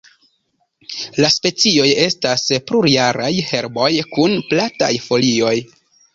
La specioj estas plurjaraj herboj kun plataj folioj.